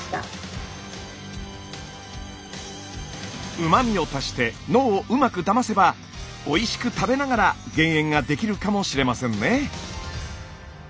うま味を足して脳をうまくだませばおいしく食べながら減塩ができるかもしれませんね。